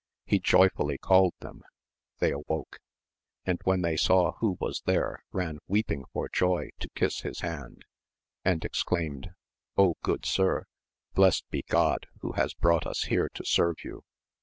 He jojrfidly called them, they awoke ; and when they saw who was there ran weeping for joy to kiss his hand, and exclaimed, good sir, blessed be God who has brought us here to serve you